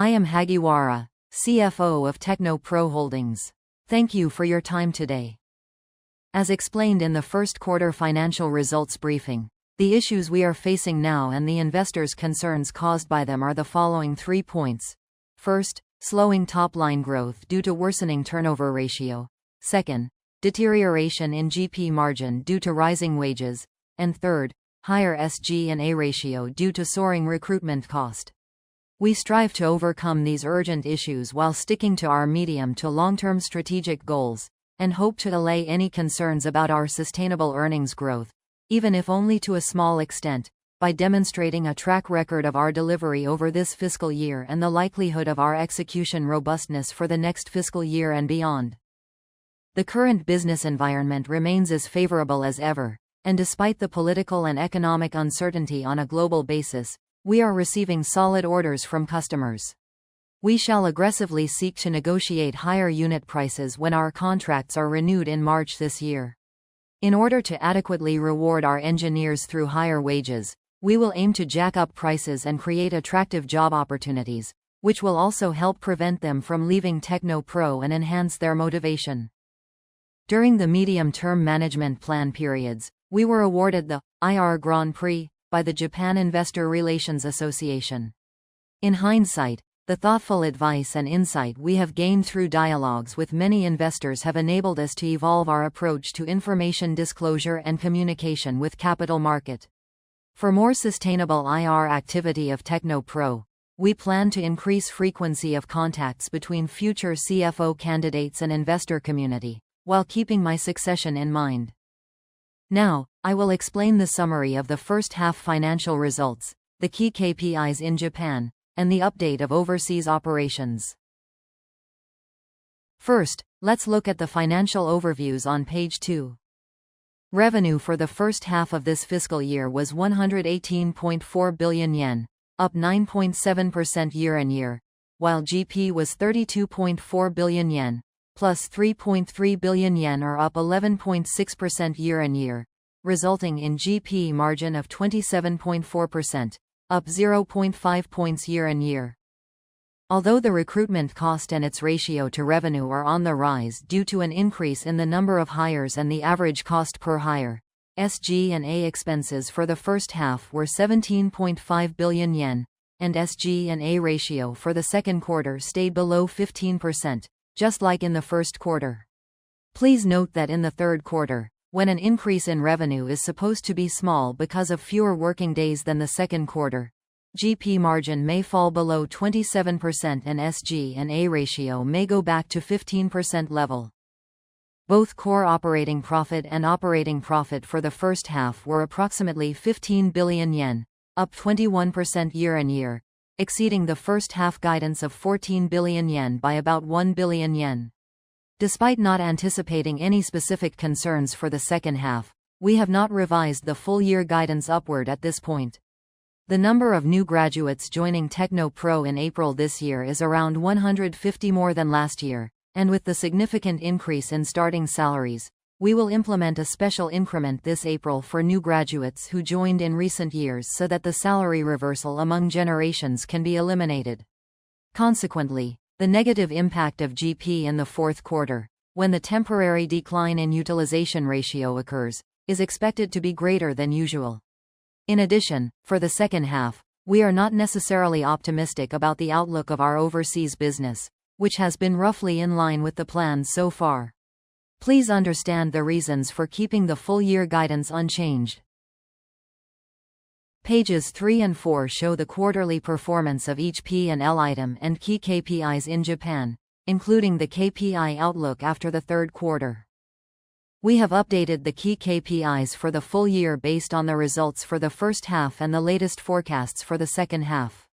I am Hagiwara, CFO of TechnoPro Holdings. Thank you for your time today. As explained in the Q1 financial results briefing, the issues we are facing now and the investors' concerns caused by them are the following three points: first, slowing top-line growth due to worsening turnover ratio, second, deterioration in GP margin due to rising wages, and third, higher SG&A ratio due to soaring recruitment cost. We strive to overcome these urgent issues while sticking to our medium- to long-term strategic goals and hope to allay any concerns about our sustainable earnings growth, even if only to a small extent, by demonstrating a track record of our delivery over this fiscal year and the likelihood of our execution robustness for the next fiscal year and beyond. The current business environment remains as favorable as ever, and despite the political and economic uncertainty on a global basis, we are receiving solid orders from customers. We shall aggressively seek to negotiate higher unit prices when our contracts are renewed in March this year. In order to adequately reward our engineers through higher wages, we will aim to jack up prices and create attractive job opportunities, which will also help prevent them from leaving TechnoPro and enhance their motivation. During the medium-term management plan periods, we were awarded the "IR Grand Prix" by the Japan Investor Relations Association. In hindsight, the thoughtful advice and insight we have gained through dialogues with many investors have enabled us to evolve our approach to information disclosure and communication with capital market. For more sustainable IR activity of TechnoPro, we plan to increase the frequency of contacts between future CFO candidates and the investor community while keeping my succession in mind. Now, I will explain the summary of the first-half financial results, the key KPIs in Japan, and the update of overseas operations. First, let's look at the financial overviews on page 2. Revenue for the first half of this fiscal year was 118.4 billion yen, up 9.7% year-on-year, while GP was 32.4 billion yen, plus 3.3 billion yen or up 11.6% year-on-year, resulting in a GP margin of 27.4%, up 0.5 points year-on-year. Although the recruitment cost and its ratio to revenue are on the rise due to an increase in the number of hires and the average cost per hire, SG&A expenses for the first half were 17.5 billion yen, and the SG&A ratio for the second quarter stayed below 15%, just like in the first quarter. Please note that in the third quarter, when an increase in revenue is supposed to be small because of fewer working days than the second quarter, GP margin may fall below 27% and the SG&A ratio may go back to the 15% level. Both core operating profit and operating profit for the first half were approximately 15 billion yen, up 21% year-on-year, exceeding the first-half guidance of 14 billion yen by about 1 billion yen. Despite not anticipating any specific concerns for the second half, we have not revised the full-year guidance upward at this point. The number of new graduates joining TechnoPro in April this year is around 150 more than last year, and with the significant increase in starting salaries, we will implement a special increment this April for new graduates who joined in recent years so that the salary reversal among generations can be eliminated. Consequently, the negative impact of GP in the fourth quarter, when the temporary decline in utilization ratio occurs, is expected to be greater than usual. In addition, for the second half, we are not necessarily optimistic about the outlook of our overseas business, which has been roughly in line with the plans so far. Please understand the reasons for keeping the full-year guidance unchanged. Pages 3 and 4 show the quarterly performance of each P&L item and key KPIs in Japan, including the KPI outlook after the third quarter. We have updated the key KPIs for the full year based on the results for the first half and the latest forecasts for the second half.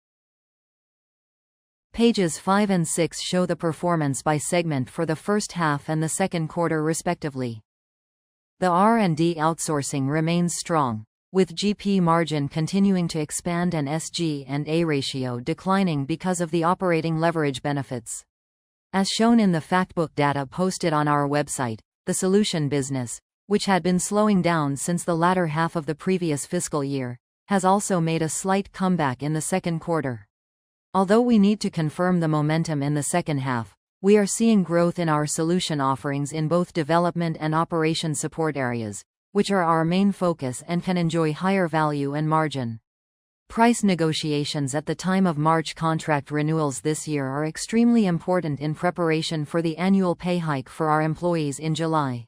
Pages 5 and 6 show the performance by segment for the first half and the second quarter, respectively. The R&D outsourcing remains strong, with GP margin continuing to expand and the SG&A ratio declining because of the operating leverage benefits. As shown in the factbook data posted on our website, the solution business, which had been slowing down since the latter half of the previous fiscal year, has also made a slight comeback in the second quarter. Although we need to confirm the momentum in the second half, we are seeing growth in our solution offerings in both development and operation support areas, which are our main focus and can enjoy higher value and margin. Price negotiations at the time of March contract renewals this year are extremely important in preparation for the annual pay hike for our employees in July.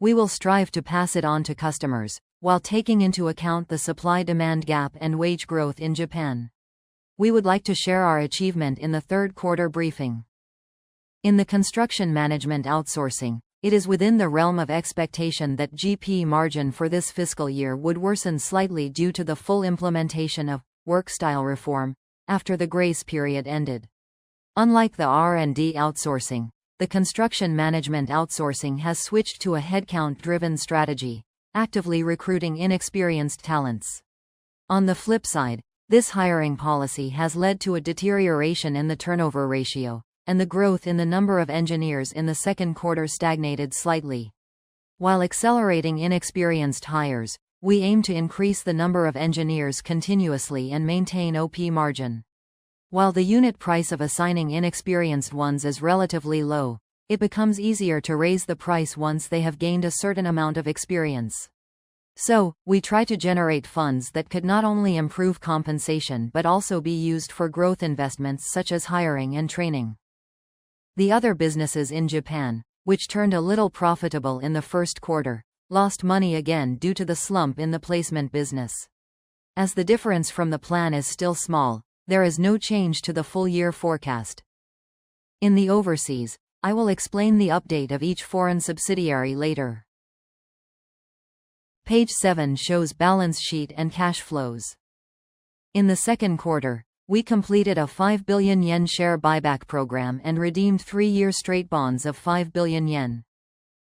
We will strive to pass it on to customers while taking into account the supply-demand gap and wage growth in Japan. We would like to share our achievement in the Q3 briefing. In the construction management outsourcing, it is within the realm of expectation that GP margin for this fiscal year would worsen slightly due to the full implementation of "work-style reform" after the grace period ended. Unlike the R&D outsourcing, the construction management outsourcing has switched to a headcount-driven strategy, actively recruiting inexperienced talents. On the flip side, this hiring policy has led to a deterioration in the turnover ratio, and the growth in the number of engineers in the second quarter stagnated slightly. While accelerating inexperienced hires, we aim to increase the number of engineers continuously and maintain OP margin. While the unit price of assigning inexperienced ones is relatively low, it becomes easier to raise the price once they have gained a certain amount of experience. So, we try to generate funds that could not only improve compensation but also be used for growth investments such as hiring and training. The other businesses in Japan, which turned a little profitable in the first quarter, lost money again due to the slump in the placement business. As the difference from the plan is still small, there is no change to the full-year forecast. In the overseas, I will explain the update of each foreign subsidiary later. Page 7 shows the balance sheet and cash flows. In the second quarter, we completed a 5 billion yen share buyback program and redeemed 3-year straight bonds of 5 billion yen.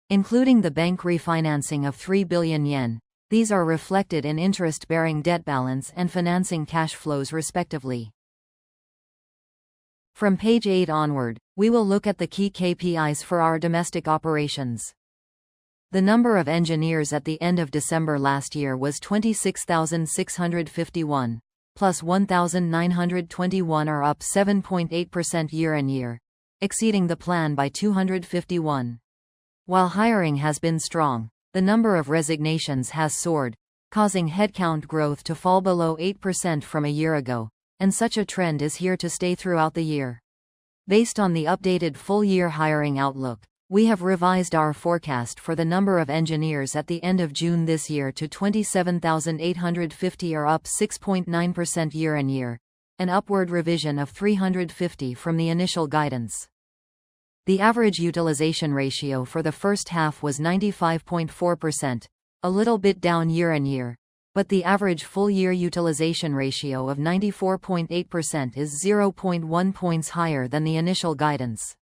Including the bank refinancing of 3 billion yen, these are reflected in interest-bearing debt balance and financing cash flows, respectively. From page 8 onward, we will look at the key KPIs for our domestic operations. The number of engineers at the end of December last year was 26,651, plus 1,921, or up 7.8% year-on-year, exceeding the plan by 251. While hiring has been strong, the number of resignations has soared, causing headcount growth to fall below 8% from a year ago, and such a trend is here to stay throughout the year. Based on the updated full-year hiring outlook, we have revised our forecast for the number of engineers at the end of June this year to 27,850, or up 6.9% year-on-year, an upward revision of 350 from the initial guidance. The average utilization ratio for the first half was 95.4%, a little bit down year-on-year, but the average full-year utilization ratio of 94.8% is 0.1 points higher than the initial guidance.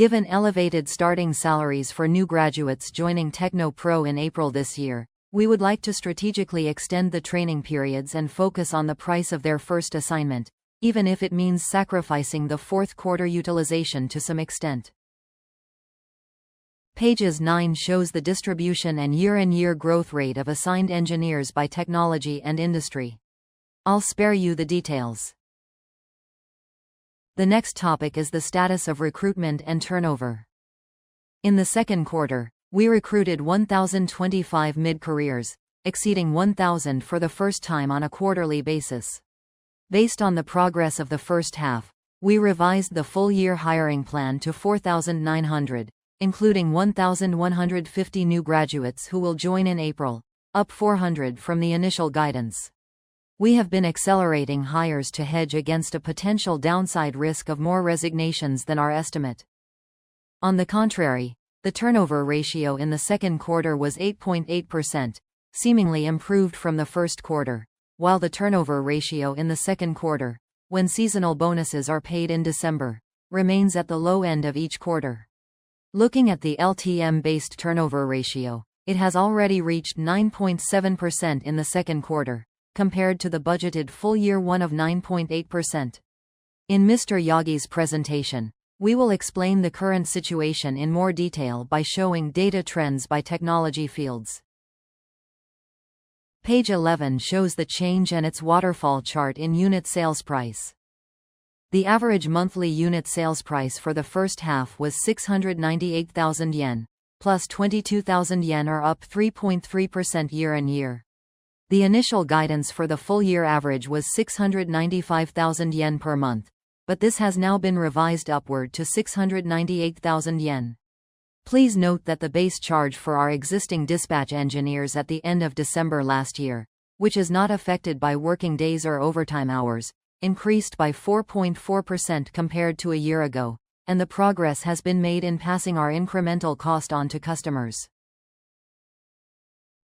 Given elevated starting salaries for new graduates joining TechnoPro in April this year, we would like to strategically extend the training periods and focus on the price of their first assignment, even if it means sacrificing the fourth quarter utilization to some extent. Page 9 shows the distribution and year-on-year growth rate of assigned engineers by technology and industry. I'll spare you the details. The next topic is the status of recruitment and turnover. In the second quarter, we recruited 1,025 mid-careers, exceeding 1,000 for the first time on a quarterly basis. Based on the progress of the first half, we revised the full-year hiring plan to 4,900, including 1,150 new graduates who will join in April, up 400 from the initial guidance. We have been accelerating hires to hedge against a potential downside risk of more resignations than our estimate. On the contrary, the turnover ratio in the second quarter was 8.8%, seemingly improved from the first quarter, while the turnover ratio in the second quarter, when seasonal bonuses are paid in December, remains at the low end of each quarter. Looking at the LTM-based turnover ratio, it has already reached 9.7% in the second quarter, compared to the budgeted full-year one of 9.8%. In Mr. Yagi's presentation, we will explain the current situation in more detail by showing data trends by technology fields. Page 11 shows the change and its waterfall chart in unit sales price. The average monthly unit sales price for the first half was 698,000 yen, plus 22,000 yen, or up 3.3% year-on-year. The initial guidance for the full-year average was 695,000 yen per month, but this has now been revised upward to 698,000 yen. Please note that the base charge for our existing dispatch engineers at the end of December last year, which is not affected by working days or overtime hours, increased by 4.4% compared to a year ago, and the progress has been made in passing our incremental cost on to customers.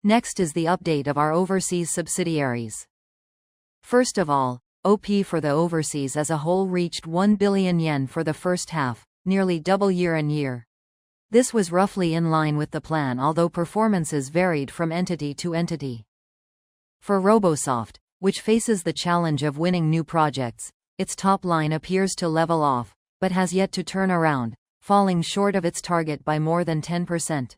Next is the update of our overseas subsidiaries. First of all, OP for the overseas as a whole reached 1 billion yen for the first half, nearly double year-on-year. This was roughly in line with the plan, although performances varied from entity to entity. For Robosoft, which faces the challenge of winning new projects, its top line appears to level off but has yet to turn around, falling short of its target by more than 10%.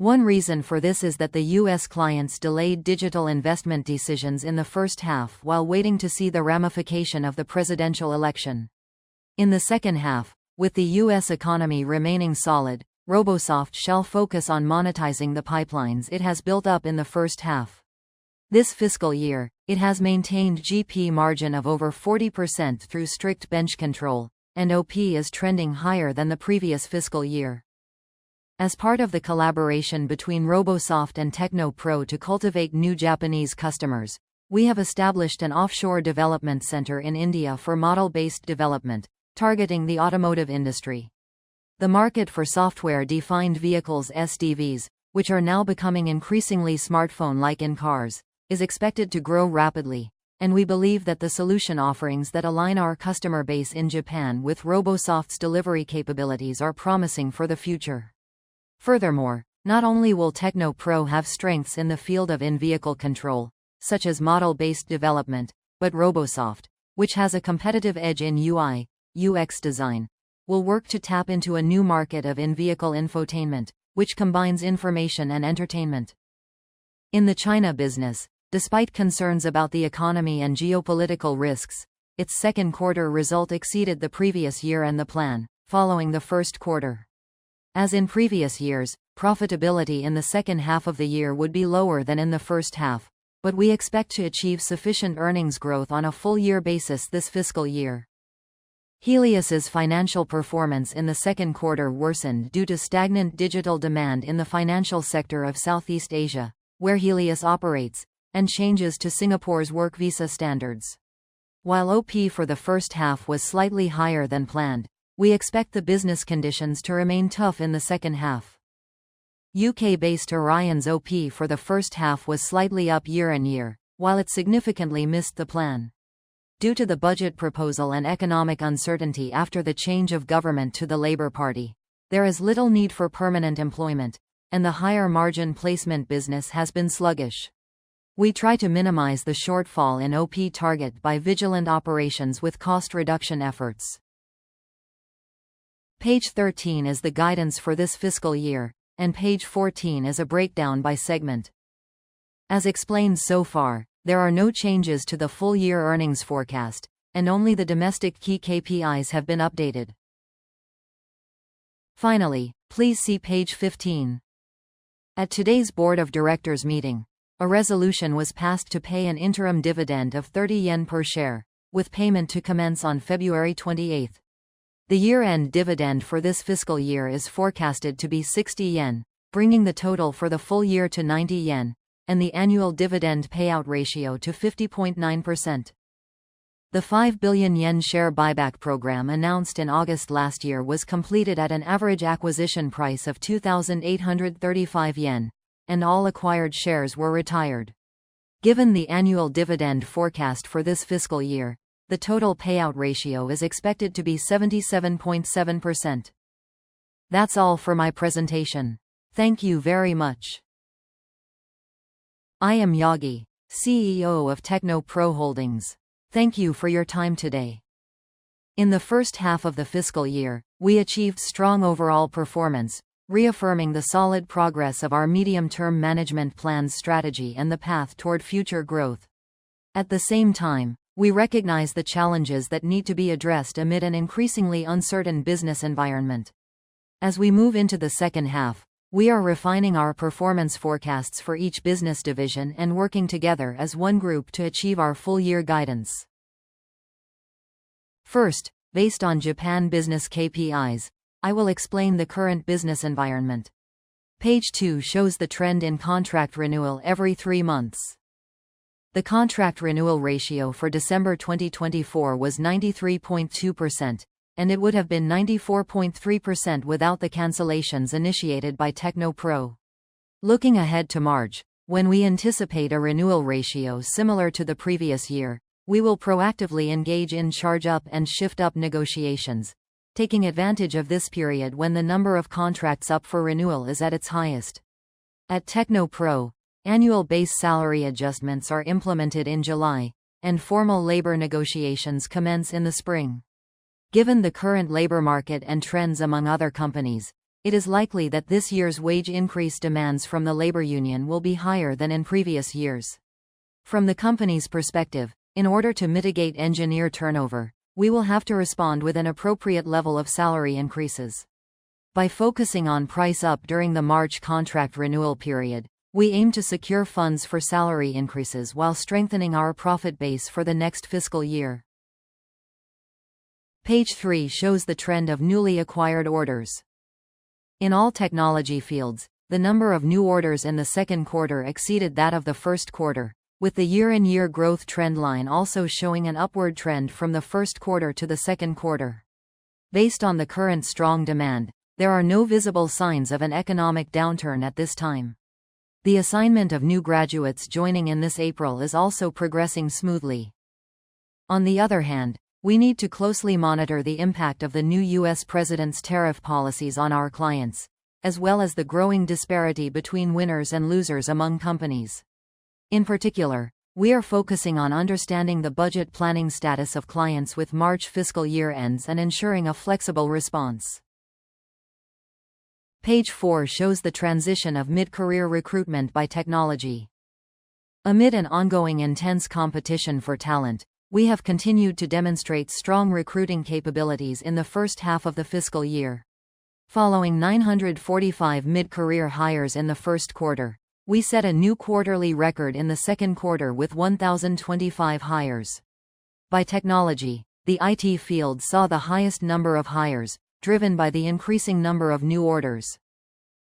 One reason for this is that the U.S. clients delayed digital investment decisions in the first half while waiting to see the ramification of the presidential election. In the second half, with the U.S. economy remaining solid, Robosoft shall focus on monetizing the pipelines it has built up in the first half. This fiscal year, it has maintained GP margin of over 40% through strict bench control, and OP is trending higher than the previous fiscal year. As part of the collaboration between Robosoft and TechnoPro to cultivate new Japanese customers, we have established an offshore development center in India for model-based development, targeting the automotive industry. The market for software-defined vehicles (SDVs), which are now becoming increasingly smartphone-like in cars, is expected to grow rapidly, and we believe that the solution offerings that align our customer base in Japan with Robosoft's delivery capabilities are promising for the future. Furthermore, not only will TechnoPro have strengths in the field of in-vehicle control, such as model-based development, but Robosoft, which has a competitive edge in UI/UX design, will work to tap into a new market of in-vehicle infotainment, which combines information and entertainment. In the China business, despite concerns about the economy and geopolitical risks, its second-quarter result exceeded the previous year and the plan, following the first quarter. As in previous years, profitability in the second half of the year would be lower than in the first half, but we expect to achieve sufficient earnings growth on a full-year basis this fiscal year. Helius's financial performance in the second quarter worsened due to stagnant digital demand in the financial sector of Southeast Asia, where Helius operates, and changes to Singapore's work visa standards. While OP for the first half was slightly higher than planned, we expect the business conditions to remain tough in the second half. UK-based Orion's OP for the first half was slightly up year-on-year, while it significantly missed the plan. Due to the budget proposal and economic uncertainty after the change of government to the Labour Party, there is little need for permanent employment, and the higher margin placement business has been sluggish. We try to minimize the shortfall in OP target by vigilant operations with cost reduction efforts. Page 13 is the guidance for this fiscal year, and page 14 is a breakdown by segment. As explained so far, there are no changes to the full-year earnings forecast, and only the domestic key KPIs have been updated. Finally, please see page 15. At today's Board of Directors meeting, a resolution was passed to pay an interim dividend of 30 yen per share, with payment to commence on February 28. The year-end dividend for this fiscal year is forecasted to be 60 yen, bringing the total for the full year to 90 yen, and the annual dividend payout ratio to 50.9%. The 5 billion yen share buyback program announced in August last year was completed at an average acquisition price of 2,835 yen, and all acquired shares were retired. Given the annual dividend forecast for this fiscal year, the total payout ratio is expected to be 77.7%. That's all for my presentation. Thank you very much. I am Yagi, CEO of TechnoPro Holdings. Thank you for your time today. In the first half of the fiscal year, we achieved strong overall performance, reaffirming the solid progress of our medium-term management plan strategy and the path toward future growth. At the same time, we recognize the challenges that need to be addressed amid an increasingly uncertain business environment. As we move into the second half, we are refining our performance forecasts for each business division and working together as one group to achieve our full-year guidance. First, based on Japan business KPIs, I will explain the current business environment. Page 2 shows the trend in contract renewal every three months. The contract renewal ratio for December 2024 was 93.2%, and it would have been 94.3% without the cancellations initiated by TechnoPro. Looking ahead to March, when we anticipate a renewal ratio similar to the previous year, we will proactively engage in charge-up and shift-up negotiations, taking advantage of this period when the number of contracts up for renewal is at its highest. At TechnoPro, annual base salary adjustments are implemented in July, and formal labor negotiations commence in the spring. Given the current labor market and trends among other companies, it is likely that this year's wage increase demands from the labor union will be higher than in previous years. From the company's perspective, in order to mitigate engineer turnover, we will have to respond with an appropriate level of salary increases. By focusing on price-up during the March contract renewal period, we aim to secure funds for salary increases while strengthening our profit base for the next fiscal year. Page 3 shows the trend of newly acquired orders. In all technology fields, the number of new orders in the second quarter exceeded that of the first quarter, with the year-on-year growth trend line also showing an upward trend from the first quarter to the second quarter. Based on the current strong demand, there are no visible signs of an economic downturn at this time. The assignment of new graduates joining in this April is also progressing smoothly. On the other hand, we need to closely monitor the impact of the new U.S. president's tariff policies on our clients, as well as the growing disparity between winners and losers among companies. In particular, we are focusing on understanding the budget planning status of clients with March fiscal year ends and ensuring a flexible response. Page 4 shows the transition of mid-career recruitment by technology. Amid an ongoing intense competition for talent, we have continued to demonstrate strong recruiting capabilities in the first half of the fiscal year. Following 945 mid-career hires in the first quarter, we set a new quarterly record in the second quarter with 1,025 hires. By technology, the IT field saw the highest number of hires, driven by the increasing number of new orders.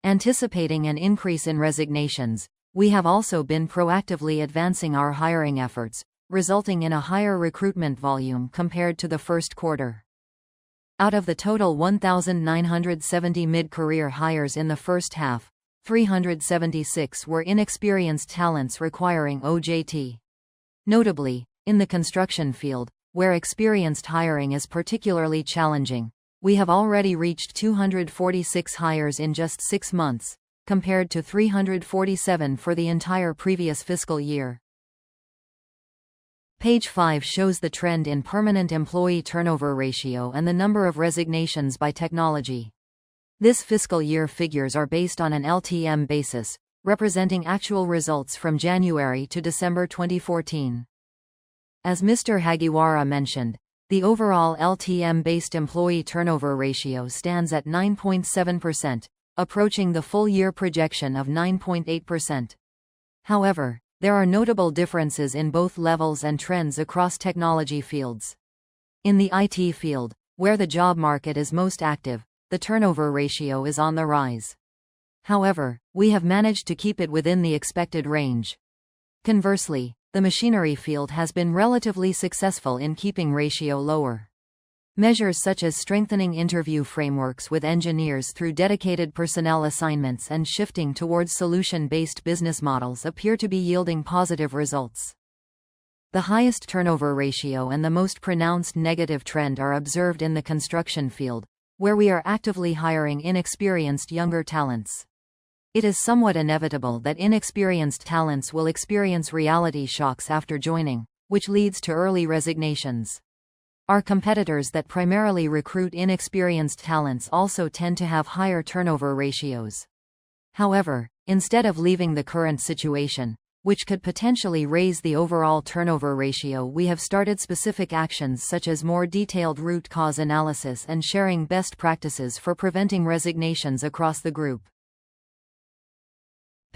Anticipating an increase in resignations, we have also been proactively advancing our hiring efforts, resulting in a higher recruitment volume compared to the first quarter. Out of the total 1,970 mid-career hires in the first half, 376 were inexperienced talents requiring OJT. Notably, in the construction field, where experienced hiring is particularly challenging, we have already reached 246 hires in just six months, compared to 347 for the entire previous fiscal year. Page 5 shows the trend in permanent employee turnover ratio and the number of resignations by technology. This fiscal year figures are based on an LTM basis, representing actual results from January to December 2014. As Mr. Hagiwara mentioned, the overall LTM-based employee turnover ratio stands at 9.7%, approaching the full-year projection of 9.8%. However, there are notable differences in both levels and trends across technology fields. In the IT field, where the job market is most active, the turnover ratio is on the rise. However, we have managed to keep it within the expected range. Conversely, the machinery field has been relatively successful in keeping ratio lower. Measures such as strengthening interview frameworks with engineers through dedicated personnel assignments and shifting towards solution-based business models appear to be yielding positive results. The highest turnover ratio and the most pronounced negative trend are observed in the construction field, where we are actively hiring inexperienced younger talents. It is somewhat inevitable that inexperienced talents will experience reality shocks after joining, which leads to early resignations. Our competitors that primarily recruit inexperienced talents also tend to have higher turnover ratios. However, instead of leaving the current situation, which could potentially raise the overall turnover ratio, we have started specific actions such as more detailed root cause analysis and sharing best practices for preventing resignations across the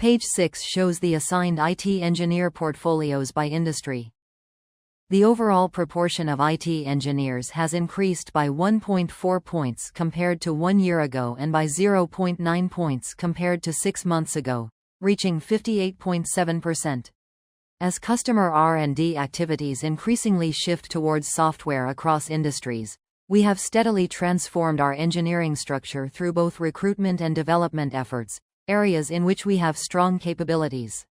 group. Page 6 shows the assigned IT engineer portfolios by industry. The overall proportion of IT engineers has increased by 1.4 points compared to one year ago and by 0.9 points compared to six months ago, reaching 58.7%. As customer R&D activities increasingly shift towards software across industries, we have steadily transformed our engineering structure through both recruitment and development efforts, areas in which we have strong capabilities.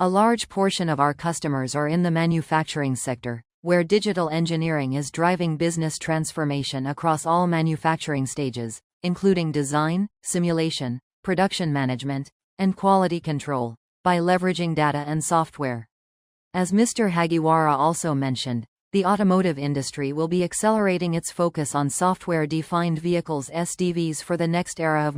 A large portion of our customers are in the manufacturing sector, where digital engineering is driving business transformation across all manufacturing stages, including design, simulation, production management, and quality control, by leveraging data and software. As Mr. Hagiwara also mentioned, the automotive industry will be accelerating its focus on software-defined vehicles (SDVs) for the next era of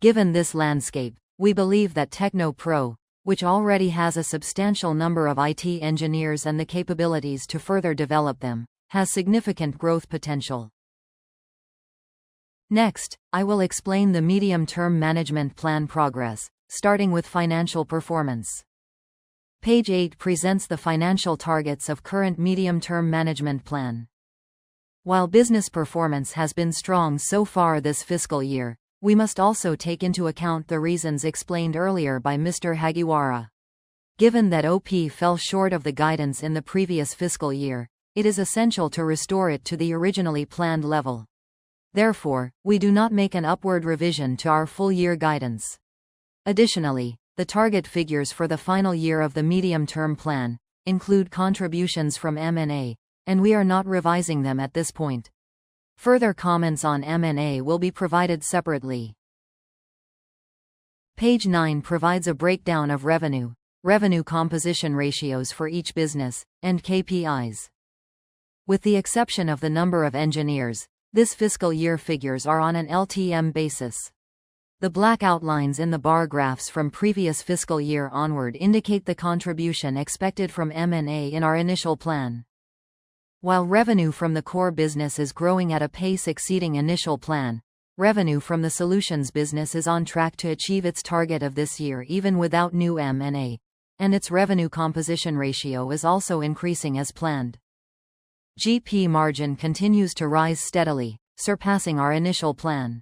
mobility. Given this landscape, we believe that TechnoPro, which already has a substantial number of IT engineers and the capabilities to further develop them, has significant growth potential. Next, I will explain the medium-term management plan progress, starting with financial performance. Page 8 presents the financial targets of the current medium-term management plan. While business performance has been strong so far this fiscal year, we must also take into account the reasons explained earlier by Mr. Hagiwara. Given that OP fell short of the guidance in the previous fiscal year, it is essential to restore it to the originally planned level. Therefore, we do not make an upward revision to our full-year guidance. Additionally, the target figures for the final year of the medium-term plan include contributions from M&A, and we are not revising them at this point. Further comments on M&A will be provided separately. Page 9 provides a breakdown of revenue, revenue composition ratios for each business, and KPIs. With the exception of the number of engineers, this fiscal year figures are on an LTM basis. The black outlines in the bar graphs from previous fiscal year onward indicate the contribution expected from M&A in our initial plan. While revenue from the core business is growing at a pace exceeding initial plan, revenue from the solutions business is on track to achieve its target of this year even without new M&A, and its revenue composition ratio is also increasing as planned. GP margin continues to rise steadily, surpassing our initial plan.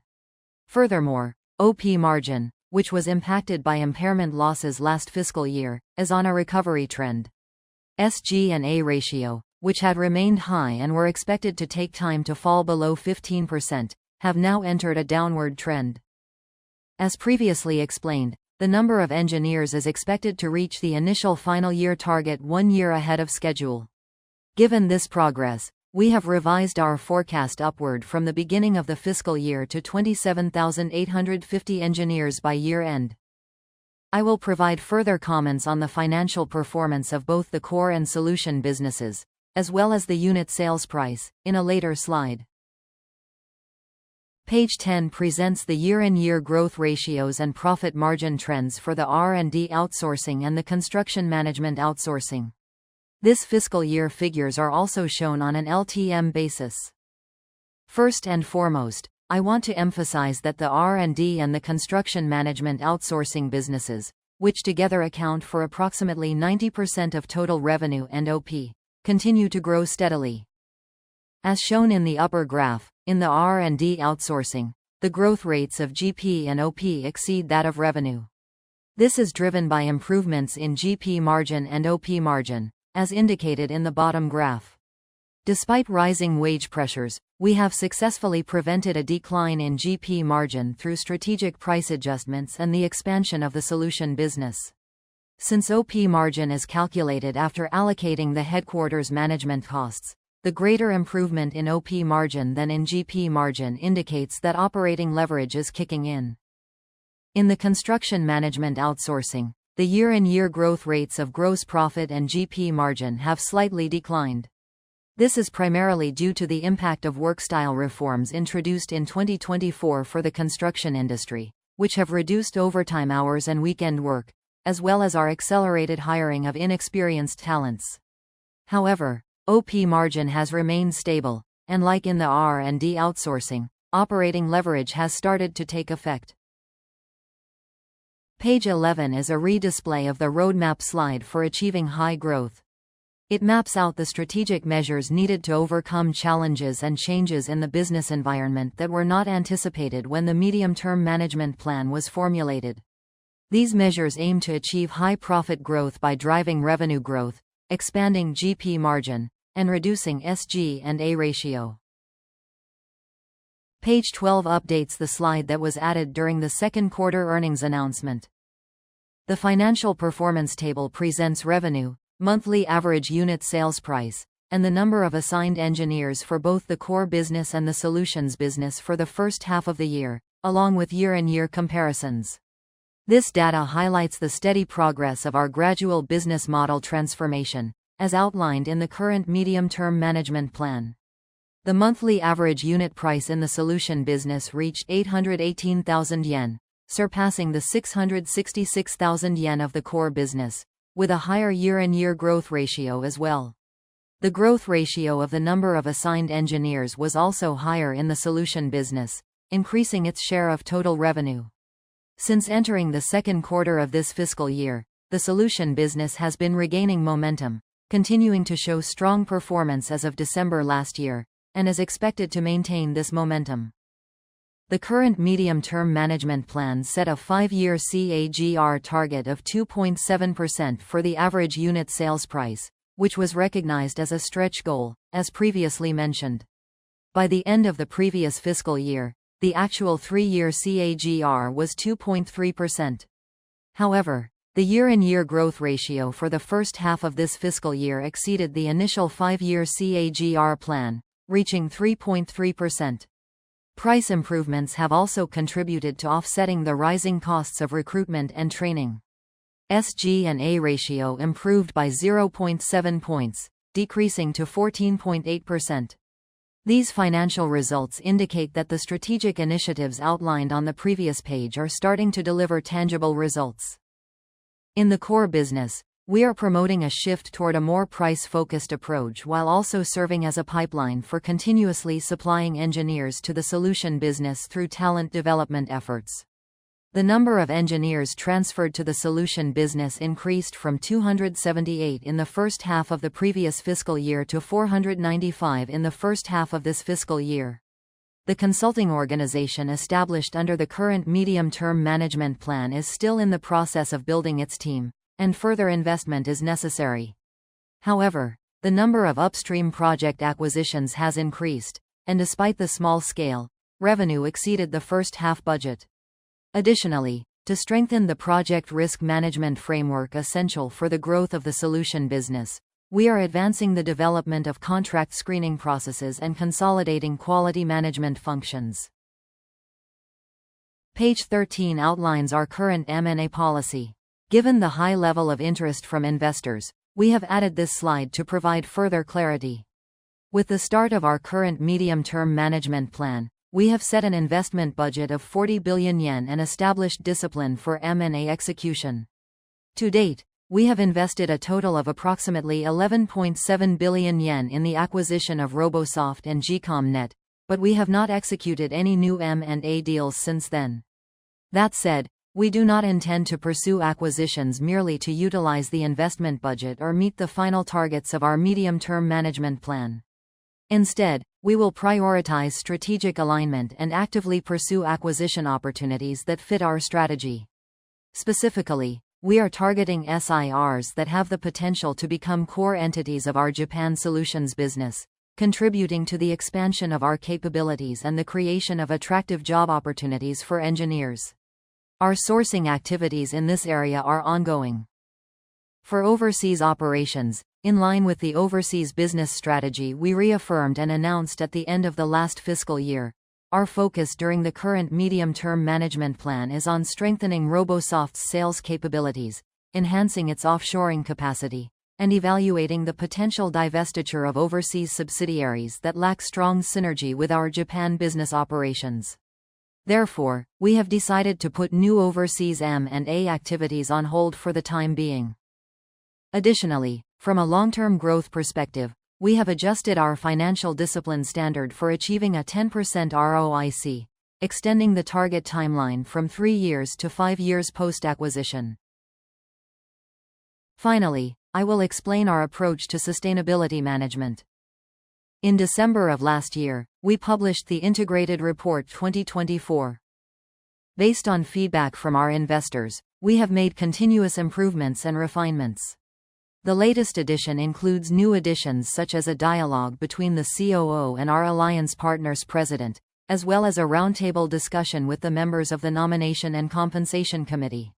Furthermore, OP margin, which was impacted by impairment losses last fiscal year, is on a recovery trend. SG&A ratio, which had remained high and were expected to take time to fall below 15%, has now entered a downward trend. As previously explained, the number of engineers is expected to reach the initial final-year target one year ahead of schedule. Given this progress, we have revised our forecast upward from the beginning of the fiscal year to 27,850 engineers by year-end. I will provide further comments on the financial performance of both the core and solution businesses, as well as the unit sales price, in a later slide. Page 10 presents the year-on-year growth ratios and profit margin trends for the R&D outsourcing and the construction management outsourcing. This fiscal year's figures are also shown on an LTM basis. First and foremost, I want to emphasize that the R&D and the construction management outsourcing businesses, which together account for approximately 90% of total revenue and OP, continue to grow steadily. As shown in the upper graph, in the R&D outsourcing, the growth rates of GP and OP exceed that of revenue. This is driven by improvements in GP margin and OP margin, as indicated in the bottom graph. Despite rising wage pressures, we have successfully prevented a decline in GP margin through strategic price adjustments and the expansion of the solution business. Since OP margin is calculated after allocating the headquarters management costs, the greater improvement in OP margin than in GP margin indicates that operating leverage is kicking in. In the construction management outsourcing, the year-on-year growth rates of gross profit and GP margin have slightly declined. This is primarily due to the impact of work-style reforms introduced in 2024 for the construction industry, which have reduced overtime hours and weekend work, as well as our accelerated hiring of inexperienced talents. However, OP margin has remained stable, and like in the R&D outsourcing, operating leverage has started to take effect. Page 11 is a redisplay of the roadmap slide for achieving high growth. It maps out the strategic measures needed to overcome challenges and changes in the business environment that were not anticipated when the medium-term management plan was formulated. These measures aim to achieve high profit growth by driving revenue growth, expanding GP margin, and reducing SG&A ratio. Page 12 updates the slide that was added during the second quarter earnings announcement. The financial performance table presents revenue, monthly average unit sales price, and the number of assigned engineers for both the core business and the solutions business for the first half of the year, along with year-on-year comparisons. This data highlights the steady progress of our gradual business model transformation, as outlined in the current medium-term management plan. The monthly average unit price in the solution business reached 818,000 yen, surpassing the 666,000 yen of the core business, with a higher year-on-year growth ratio as well. The growth ratio of the number of assigned engineers was also higher in the solution business, increasing its share of total revenue. Since entering the second quarter of this fiscal year, the solution business has been regaining momentum, continuing to show strong performance as of December last year, and is expected to maintain this momentum. The current medium-term management plan set a five-year CAGR target of 2.7% for the average unit sales price, which was recognized as a stretch goal, as previously mentioned. By the end of the previous fiscal year, the actual three-year CAGR was 2.3%. However, the year-on-year growth ratio for the first half of this fiscal year exceeded the initial five-year CAGR plan, reaching 3.3%. Price improvements have also contributed to offsetting the rising costs of recruitment and training. SG&A ratio improved by 0.7 points, decreasing to 14.8%. These financial results indicate that the strategic initiatives outlined on the previous page are starting to deliver tangible results. In the core business, we are promoting a shift toward a more price-focused approach while also serving as a pipeline for continuously supplying engineers to the solution business through talent development efforts. The number of engineers transferred to the solution business increased from 278 in the first half of the previous fiscal year to 495 in the first half of this fiscal year. The consulting organization established under the current medium-term management plan is still in the process of building its team, and further investment is necessary. However, the number of upstream project acquisitions has increased, and despite the small scale, revenue exceeded the first half budget. Additionally, to strengthen the project risk management framework essential for the growth of the solution business, we are advancing the development of contract screening processes and consolidating quality management functions. Page 13 outlines our current M&A policy. Given the high level of interest from investors, we have added this slide to provide further clarity. With the start of our current medium-term management plan, we have set an investment budget of 40 billion yen and established discipline for M&A execution. To date, we have invested a total of approximately 11.7 billion yen in the acquisition of Robosoft and Gcom, but we have not executed any new M&A deals since then. That said, we do not intend to pursue acquisitions merely to utilize the investment budget or meet the final targets of our medium-term management plan. Instead, we will prioritize strategic alignment and actively pursue acquisition opportunities that fit our strategy. Specifically, we are targeting SIRs that have the potential to become core entities of our Japan solutions business, contributing to the expansion of our capabilities and the creation of attractive job opportunities for engineers. Our sourcing activities in this area are ongoing. For overseas operations, in line with the overseas business strategy we reaffirmed and announced at the end of the last fiscal year, our focus during the current medium-term management plan is on strengthening Robosoft's sales capabilities, enhancing its offshoring capacity, and evaluating the potential divestiture of overseas subsidiaries that lack strong synergy with our Japan business operations. Therefore, we have decided to put new overseas M&A activities on hold for the time being. Additionally, from a long-term growth perspective, we have adjusted our financial discipline standard for achieving a 10% ROIC, extending the target timeline from three years to five years post-acquisition. Finally, I will explain our approach to sustainability management. In December of last year, we published the Integrated Report 2024. Based on feedback from our investors, we have made continuous improvements and refinements. The latest edition includes new additions such as a dialogue between the COO and our alliance partners' president, as well as a roundtable discussion with the members of the Nomination and Compensation Committee.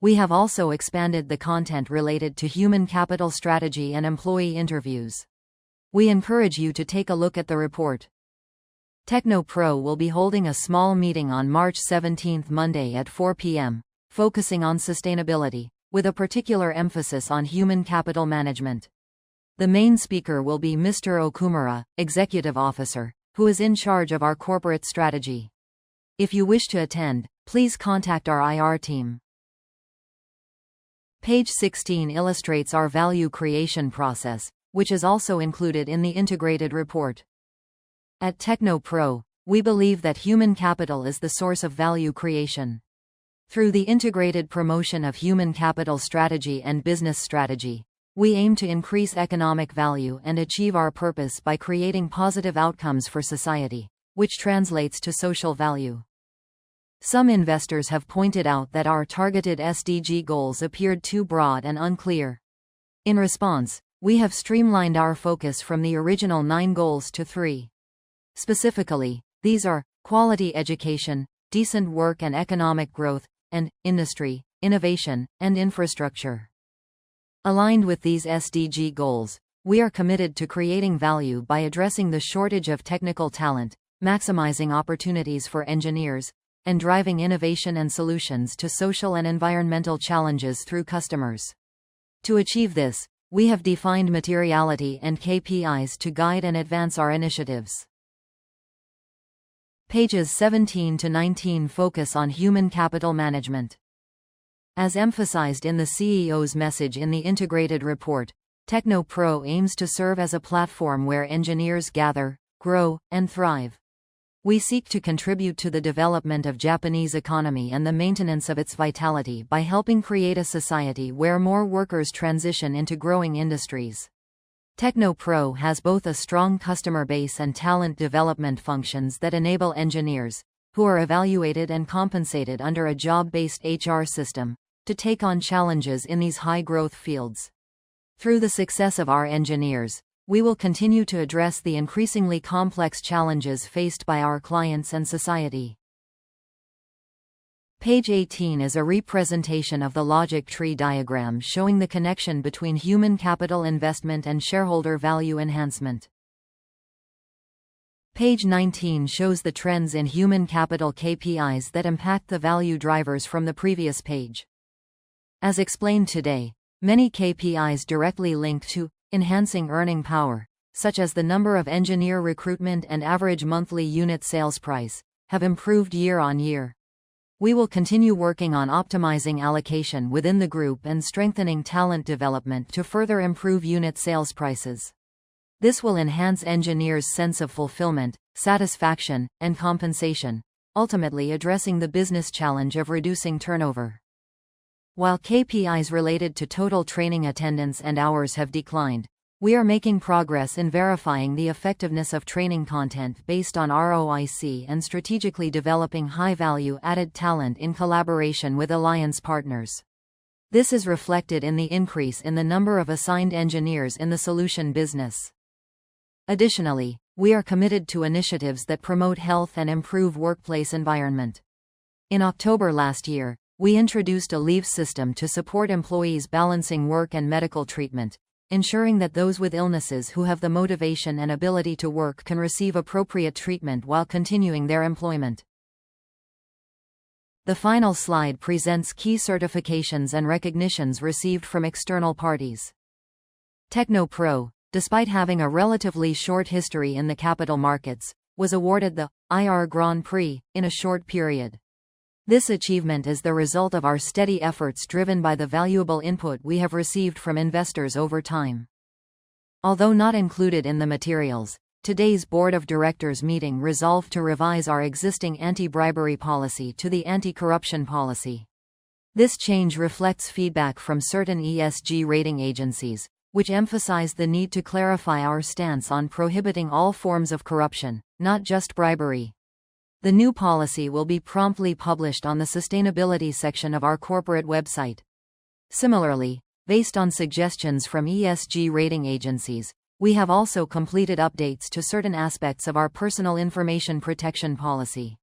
We have also expanded the content related to human capital strategy and employee interviews. We encourage you to take a look at the report. TechnoPro will be holding a small meeting on March 17, Monday at 4:00 P.M., focusing on sustainability, with a particular emphasis on human capital management. The main speaker will be Mr. Okumura, Executive Officer, who is in charge of our corporate strategy. If you wish to attend, please contact our IR team. Page 16 illustrates our value creation process, which is also included in the Integrated Report. At TechnoPro, we believe that human capital is the source of value creation. Through the integrated promotion of human capital strategy and business strategy, we aim to increase economic value and achieve our purpose by creating positive outcomes for society, which translates to social value. Some investors have pointed out that our targeted SDG goals appeared too broad and unclear. In response, we have streamlined our focus from the original nine goals to three. Specifically, these are: quality education, decent work and economic growth, and industry, innovation, and infrastructure. Aligned with these SDG goals, we are committed to creating value by addressing the shortage of technical talent, maximizing opportunities for engineers, and driving innovation and solutions to social and environmental challenges through customers. To achieve this, we have defined materiality and KPIs to guide and advance our initiatives. Pages 17-19 focus on human capital management. As emphasized in the CEO's message in the Integrated Report, TechnoPro aims to serve as a platform where engineers gather, grow, and thrive. We seek to contribute to the development of the Japanese economy and the maintenance of its vitality by helping create a society where more workers transition into growing industries. TechnoPro has both a strong customer base and talent development functions that enable engineers, who are evaluated and compensated under a job-based HR system, to take on challenges in these high-growth fields. Through the success of our engineers, we will continue to address the increasingly complex challenges faced by our clients and society. Page 18 is a re-presentation of the logic tree diagram showing the connection between human capital investment and shareholder value enhancement. Page 19 shows the trends in human capital KPIs that impact the value drivers from the previous page. As explained today, many KPIs directly linked to "enhancing earning power," such as the number of engineer recruitment and average monthly unit sales price, have improved year-on-year. We will continue working on optimizing allocation within the group and strengthening talent development to further improve unit sales prices. This will enhance engineers' sense of fulfillment, satisfaction, and compensation, ultimately addressing the business challenge of reducing turnover. While KPIs related to total training attendance and hours have declined, we are making progress in verifying the effectiveness of training content based on ROIC and strategically developing high-value-added talent in collaboration with alliance partners. This is reflected in the increase in the number of assigned engineers in the solution business. Additionally, we are committed to initiatives that promote health and improve the workplace environment. In October last year, we introduced a leave system to support employees balancing work and medical treatment, ensuring that those with illnesses who have the motivation and ability to work can receive appropriate treatment while continuing their employment. The final slide presents key certifications and recognitions received from external parties. TechnoPro, despite having a relatively short history in the capital markets, was awarded the "IR Grand Prix" in a short period. This achievement is the result of our steady efforts driven by the valuable input we have received from investors over time. Although not included in the materials, today's board of directors meeting resolved to revise our existing anti-bribery policy to the anti-corruption policy. This change reflects feedback from certain ESG rating agencies, which emphasized the need to clarify our stance on prohibiting all forms of corruption, not just bribery. The new policy will be promptly published on the sustainability section of our corporate website. Similarly, based on suggestions from ESG rating agencies, we have also completed updates to certain aspects of our personal information protection policy.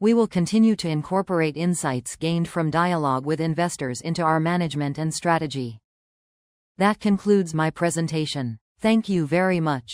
We will continue to incorporate insights gained from dialogue with investors into our management and strategy. That concludes my presentation. Thank you very much.